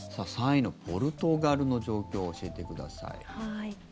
３位のポルトガルの状況を教えてください。